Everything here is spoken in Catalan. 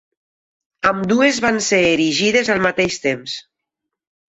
Ambdues van ser erigides al mateix temps.